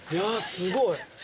すごい！